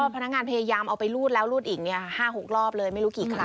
ฉะนั้นฉันไปเจอกันกับธุรกิจ